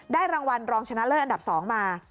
รางวัลรองชนะเลิศอันดับ๒มา